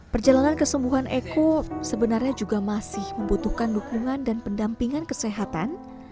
perjalanan kesembuhan eko sebenarnya juga masih membutuhkan dukungan dan pendampingan kesehatan